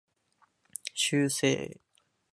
修正